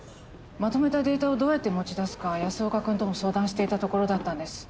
まとめたデータをどうやって持ち出すか安岡くんとも相談していたところだったんです。